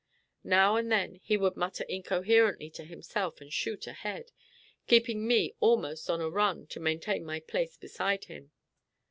Now and then he would mutter incoherently to himself and shoot ahead, keeping me almost on a run to maintain my place beside him.